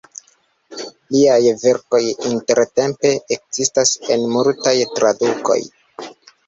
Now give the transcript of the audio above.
Liaj verkoj intertempe ekzistas en multaj tradukoj.